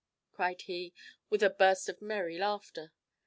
cried he, with a burst of merry laughter.